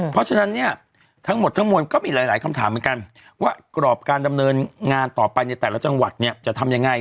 เพราะฉะนั้นเนี่ยทั้งหมดทั้งมวลก็มีหลายคำถามเหมือนกันว่ากรอบการดำเนินงานต่อไปในแต่ละจังหวัดเนี่ยจะทำยังไง